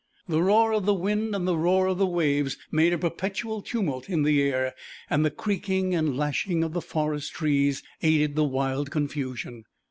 The roar of the wind and the roar of the waves made a perpetual tumult in the air, and the creaking and lashing of the forest trees aided the wild confusion.